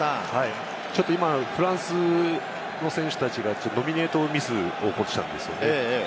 ちょっと今、フランスの選手たちがノミネートミスを起こしたんですよね。